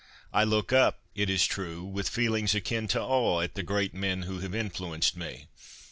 I look up, it is true, with feelings akin to awe at the great men who have influenced me.